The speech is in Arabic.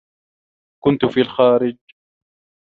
كنت في الخارج.